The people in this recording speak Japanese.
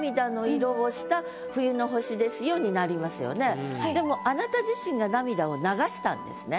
これだと「銀幕」ででもあなた自身が涙を流したんですね。